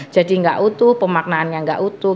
jadi enggak utuh pemaknaannya enggak utuh